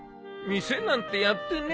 店なんてやってねえぞ。